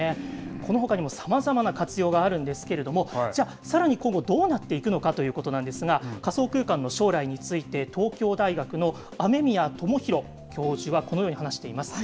このほかにもさまざまな活用があるんですけれども、じゃあ、さらに今後、どうなっていくのかということなんですが、仮想空間の将来について、東京大学の雨宮智浩教授はこのように話しています。